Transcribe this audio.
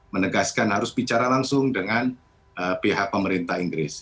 menegaskan harus bicara langsung dengan pihak pemerintah inggris